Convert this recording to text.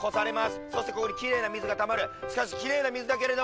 そしてここにキレイな水がたまる